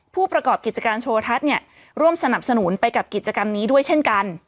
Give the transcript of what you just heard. ผู้ประกอบกิจการโทรทัศน์เนี่ยร่วมสนับสนุนไปกับกิจกรรมนี้ด้วยเช่นกัน